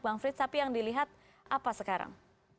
bang frits tapi yang dilihat apa sekarang